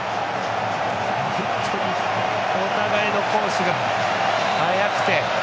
お互いの攻守が速くて。